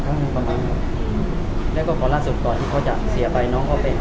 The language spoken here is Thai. อคือคือคุณค่ะพอเราอยู่ด้วยกันก็ส่งให้ส่งหลานเนี่ยส่งรูปให้พี่ที่บ้านเลี้ยง